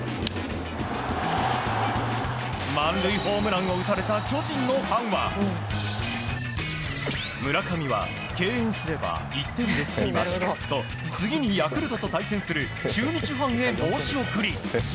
満塁ホームランを打たれた巨人のファンは村上は敬遠すれば１点で済みますと次にヤクルトと対戦する中日ファンへ申し送り。